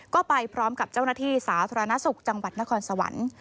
ก็ไปพร้อมกับเจ้าหน้าที่สาธารณสุขจังหวัดนครสวรรค์